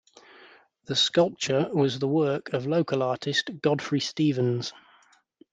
The sculpture was the work of local artist Godfrey Stephens.